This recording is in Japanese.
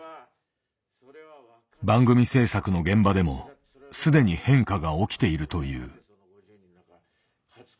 番組制作の現場でも既に変化が起きているという。